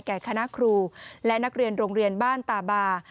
คณะครูและนักเรียนโรงเรียนบ้านตาบา